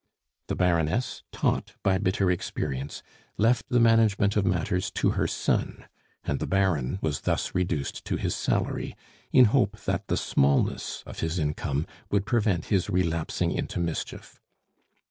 The Baroness, taught by bitter experience, left the management of matters to her son, and the Baron was thus reduced to his salary, in hope that the smallness of his income would prevent his relapsing into mischief.